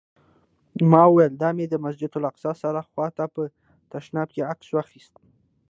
ما وویل: دا مې د مسجداالاقصی سره خوا ته په تشناب کې عکس واخیست.